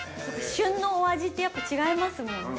◆旬のお味って、やっぱり違いますもんね。